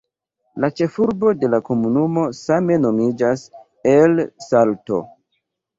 La ĉefurbo de la komunumo same nomiĝas "El Salto".